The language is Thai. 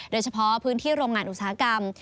โดยเฉพาะพื้นที่โรงงานอุตสาหกรรม